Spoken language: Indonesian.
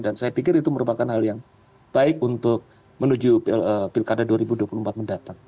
dan saya pikir itu merupakan hal yang baik untuk menuju pilkada dua ribu dua puluh empat mendatang